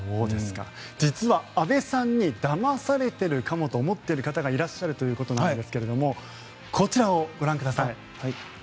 実は、阿部さんにだまされているかもと思っている方がいらっしゃるということなんですがこちらをご覧ください。